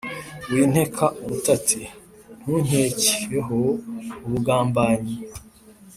winkeka ubutati: ntunkekeho ubugambanyi